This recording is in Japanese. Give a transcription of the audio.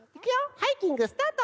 ハイキングスタート！